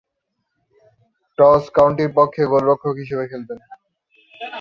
Toss কাউন্টির পক্ষে গোলরক্ষক হিসেবে খেলতেন।